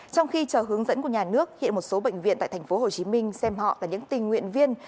trong khi chờ hướng dẫn của nhà nước hiện một số bệnh viện tại tp hcm xem họ là những tình nguyện viên